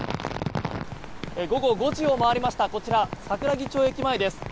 午後５時を回りましたこちら、桜木町駅前です。